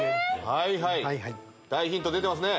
はいはい大ヒント出てますね